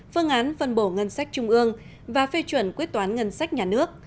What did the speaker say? phương án phân bổ ngân sách trung ương và phê chuẩn quyết toán ngân sách nhà nước